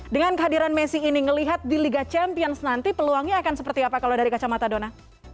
dengan kehadiran messi ini ngelihat di liga champions nanti peluangnya akan seperti apa kalau dari kacamata dona